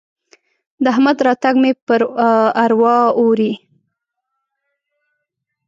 د احمد راتګ مې پر اروا اوري.